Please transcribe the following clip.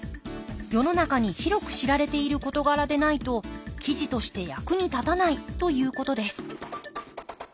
世の中に広く知られている事柄でないと記事として役に立たないということです。